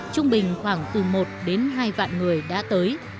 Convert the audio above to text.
trung bình khoảng từ một đến hai vạn người đã tới